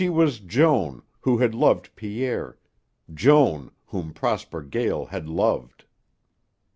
She was Joan, who had loved Pierre; Joan, whom Prosper Gael had loved.